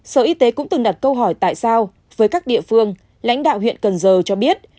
sở y tế cũng từng đặt câu hỏi tại sao với các địa phương lãnh đạo huyện cần giờ cho biết